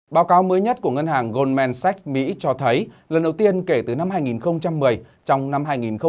báo cáo mới nhất của ngân hàng goldmmansech mỹ cho thấy lần đầu tiên kể từ năm hai nghìn một mươi trong năm hai nghìn một mươi bảy